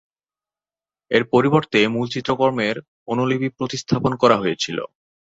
এর পরিবর্তে মূল চিত্রকর্মের অনুলিপি প্রতিস্থাপন করা হয়েছিল।